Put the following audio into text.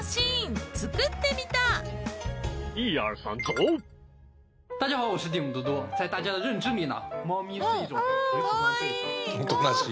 おとなしい。